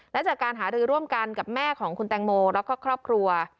และจากการหารือร่วมกันกับแม่ของคุณแตงโมแล้วก็ครอบครัว